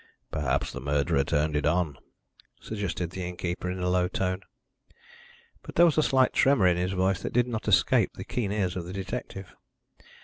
"Perhaps the murderer turned it on," suggested the innkeeper in a low tone. But there was a slight tremor in his voice that did not escape the keen ears of the detective.